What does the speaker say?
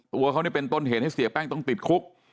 ตัวเขาเป็นต้นเหตุให้เสียแป้งต้องติดคุก